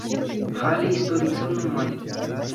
Халӗ историксем нумай.